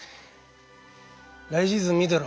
来シーズン見てろ。